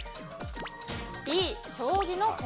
Ｂ、将棋の駒。